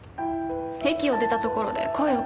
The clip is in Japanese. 駅を出たところで声をかけたわ。